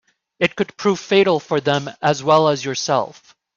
It could prove fatal for them as well as yourself.